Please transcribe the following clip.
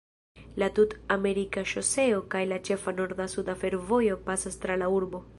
La Tut-Amerika Ŝoseo kaj la ĉefa norda-suda fervojo pasas tra la urbo.